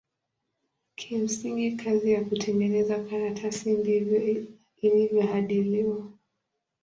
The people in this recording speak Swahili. Kimsingi kazi ya kutengeneza karatasi ndivyo ilivyo hadi leo.